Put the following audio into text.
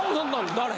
誰？